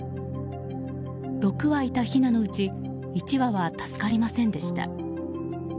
６羽いたひなのうち１羽は助かりませんでした。